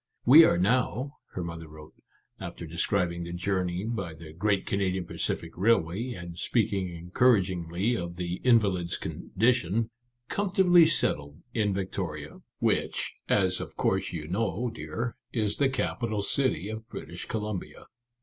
" We are now," her mother wrote, after describing the journey by the great Canadian Pacific Railway, and speaking encouragingly of the invalid's condition, " comfortably settled in Victoria — which, as of course you know, dear, is the capital city of British Columbia.